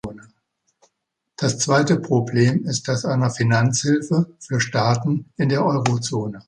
Das zweite Problem ist das einer Finanzhilfe für Staaten in der Eurozone.